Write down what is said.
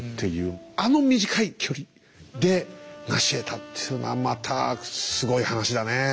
あの短い距離でなしえたっていうのはまたすごい話だねえ。